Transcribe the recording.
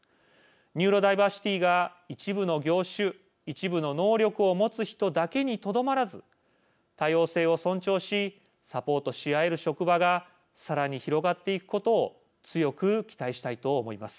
ニューロダイバーシティが一部の業種一部の能力を持つ人だけにとどまらず多様性を尊重しサポートし合える職場がさらに広がっていくことを強く期待したいと思います。